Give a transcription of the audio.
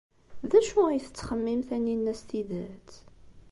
D acu ay tettxemmim Taninna s tidet?